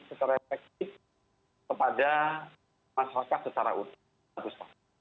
secara efektif kepada masyarakat secara utuh